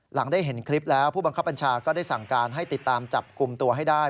หลังได้เห็นคลิปแล้วผู้บังคับบัญชาก็ได้สั่งการให้ติดตามจับกลุ่มตัวให้ได้